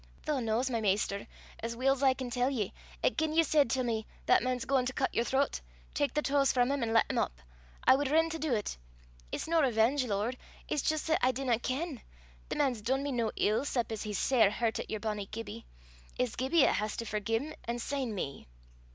Thoo knows, my Maister, as weel 's I can tell ye, 'at gien ye said till me, 'That man's gauin' to cut yer thro't: tak the tows frae him, an' lat him up,' I wad rin to dee 't. It's no revenge, Lord; it's jist 'at I dinna ken. The man's dune me no ill, 'cep as he's sair hurtit yer bonnie Gibbie. It's Gibbie 'at has to forgie 'im, an' syne me.